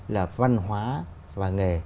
là văn hóa và nghề